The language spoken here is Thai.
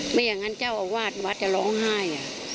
ไม่อย่างนั้นเจ้าอาวาสวัดจะร้องไห้